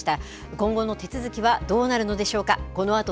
今後の手続きはどうなるのでしょうか